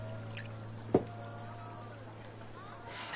はあ。